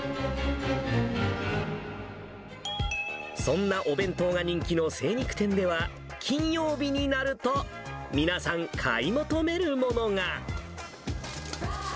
そんなお弁当が人気の精肉店では、金曜日になると、皆さん、買い求めるものが。